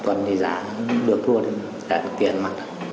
vừa thua thì giả tiền mà